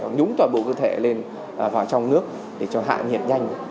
nhúng toàn bộ cơ thể lên vào trong nước để cho hạ nhiệt nhanh